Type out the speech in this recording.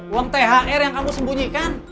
uang thr yang kamu sembunyikan